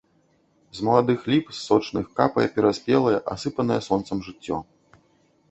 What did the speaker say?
З маладых ліп, з сочных, капае пераспелае, асыпанае сонцам жыццё.